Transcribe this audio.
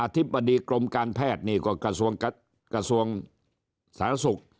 อธิบดีกลมการแพทย์กระทรวงสหสุข